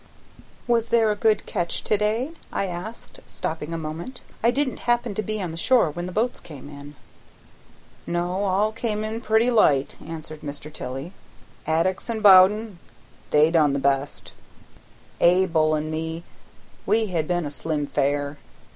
"Was there a good catch to day?" I asked, stopping a moment. "I didn't happen to be on the shore when the boats came in." "No; all come in pretty light," answered Mr. Tilley. "Addicks an' Bowden they done the best; Abel an' me we had but a slim fare.